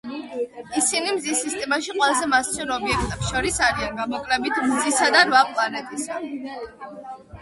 ისინი მზის სისტემაში ყველაზე მასიურ ობიექტებს შორის არიან, გამოკლებით მზისა და რვა პლანეტისა.